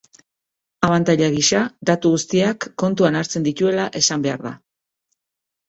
Abantaila gisa, datu guztiak kontuan hartzen dituela esan behar da.